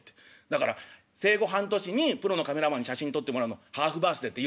「だから生後半年にプロのカメラマンに写真撮ってもらうのハーフバースデーっていうの」。